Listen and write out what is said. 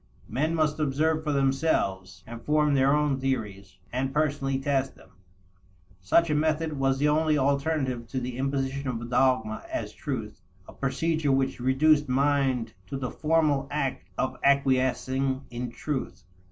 Men must observe for themselves, and form their own theories and personally test them. Such a method was the only alternative to the imposition of dogma as truth, a procedure which reduced mind to the formal act of acquiescing in truth.